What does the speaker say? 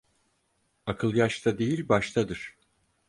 Akıl yaşta değil baştadır.